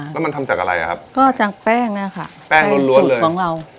แล้วมันทำจากอะไรอ่ะครับก็จากแป้งน่ะค่ะแป้งรวดรวดเลยสูตรของเรา